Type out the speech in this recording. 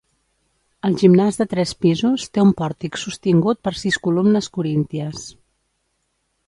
El gimnàs de tres pisos té un pòrtic sostingut per sis columnes corínties.